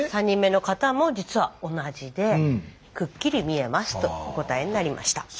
３人目の方も実は同じでくっきり見えますとお答えになりました。